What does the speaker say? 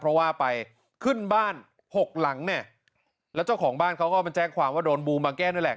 เพราะว่าไปขึ้นบ้านหกหลังเนี่ยแล้วเจ้าของบ้านเขาก็มาแจ้งความว่าโดนบูมมาแก้นั่นแหละ